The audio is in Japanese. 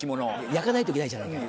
焼かないといけないじゃないか